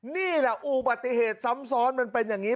นี่แหละอุบัติเหตุซ้ำซ้อนมันเป็นอย่างนี้